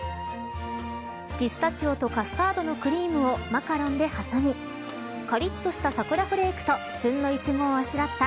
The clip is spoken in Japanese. ピスタチオとカスタードのクリームをマカロンではさみカリッとした桜フレークと旬のイチゴをあしらった。